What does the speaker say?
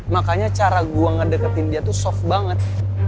makanya cara gue ngedeketin dia tuh soft banget